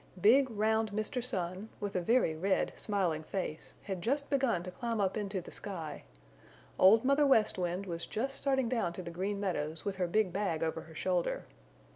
Big, round Mr. Sun, with a very red, smiling face, had just begun to climb up into the sky. Old Mother West Wind was just starting down to the Green Meadows with her big bag over her shoulder.